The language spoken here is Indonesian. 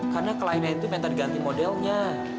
karena kliennya itu minta diganti modelnya